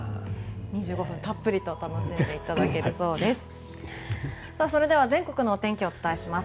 ２５分、たっぷりと楽しんでいただけるそうです。